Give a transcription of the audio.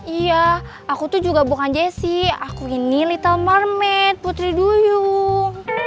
iya aku tuh juga bukan jessi aku ini little marmit putri duyung